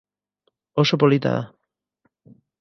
Oso polita da!